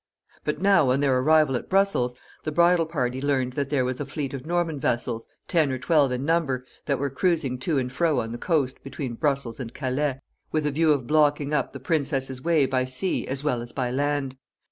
But now, on their arrival at Brussels, the bridal party learned that there was a fleet of Norman vessels, ten or twelve in number, that were cruising to and fro on the coast, between Brussels and Calais, with a view of blocking up the princess's way by sea as well as by land.